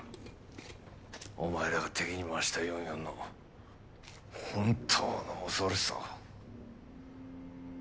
お前らが敵に回した４４の本当の恐ろしさを。